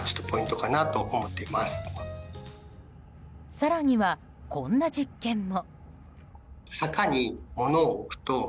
更には、こんな実験も。